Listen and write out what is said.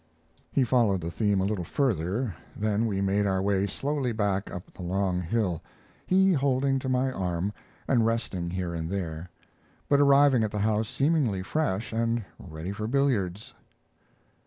He followed the theme a little further, then we made our way slowly back up the long hill, he holding to my arm, and resting here and there, but arriving at the house seemingly fresh and ready for billiards.